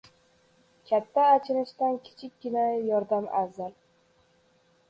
• Katta achinishdan kichikkina yordam afzal.